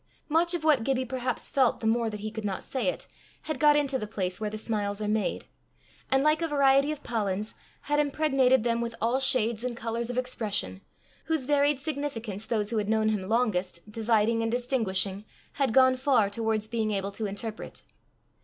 Much of what Gibbie perhaps felt the more that he could not say it, had got into the place where the smiles are made, and, like a variety of pollens, had impregnated them with all shades and colours of expression, whose varied significance those who had known him longest, dividing and distinguishing, had gone far towards being able to interpret.